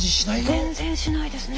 全然しないですね。